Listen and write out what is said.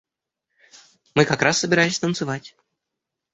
Мы как раз собирались танцевать.